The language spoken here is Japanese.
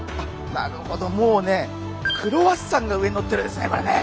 なるほどもうねクロワッサンが上にのってるようですねこれね。